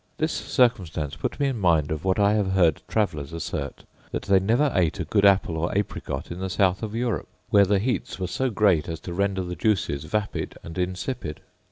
This circumstance put me in mind of what I have heard travellers assert, that they never ate a good apple or apricot in the south of Europe, where the beats were so great as to render the juices vapid and insipid.